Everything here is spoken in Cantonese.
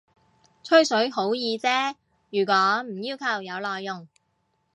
吹水好易啫，如果唔要求有內容